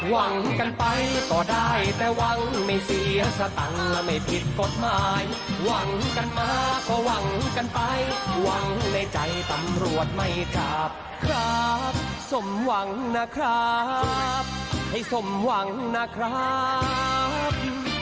หวังกันไปก็ได้แต่หวังไม่เสียสตังค์และไม่ผิดกฎหมายหวังกันมาก็หวังกันไปหวังในใจตำรวจไม่จับครับสมหวังนะครับให้สมหวังนะครับ